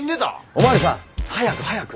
お巡りさん早く早く！